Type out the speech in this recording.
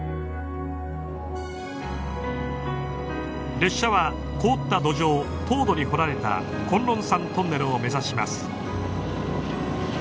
列車は凍った土壌凍土に掘られた崑崙山トンネルを目指します。